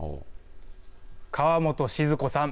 川本静子さん